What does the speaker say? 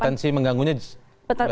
potensi mengganggunya disitu